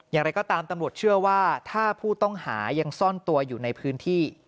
อย่างไรก็ตามตำรวจเชื่อว่าถ้าผู้ต้องหายังซ่อนตัวอยู่ในพื้นที่